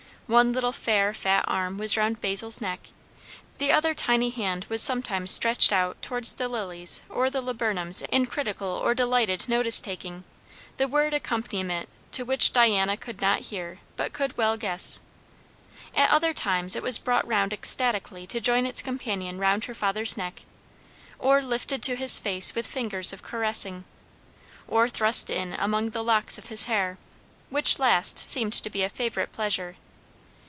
One little fair fat arm was round Basil's neck, the other tiny hand was sometimes stretched out towards the lilies or the laburnums in critical or delighted notice taking, the word accompaniment to which Diana could not hear but could well guess; at other times it was brought round ecstatically to join its companion round her father's neck, or lifted to his face with fingers of caressing, or thrust in among the locks of his hair, which last seemed to be a favourite pleasure.